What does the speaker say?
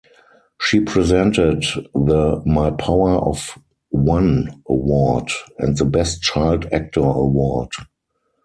She presented the My Power of One award and the Best Child Actor award.